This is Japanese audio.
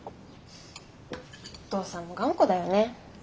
お父さんも頑固だよね。